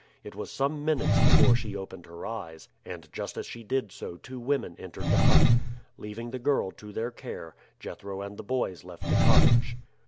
It was some minutes before she opened her eyes, and just as she did so two women entered the hut. Leaving the girl to their care, Jethro and the boys left the cottage.